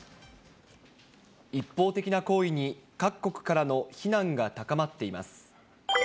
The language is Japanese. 一方的な行為に各国からの非難が高まっています。